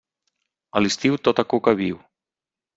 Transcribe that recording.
A l'estiu tota cuca viu.